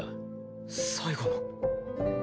最後の？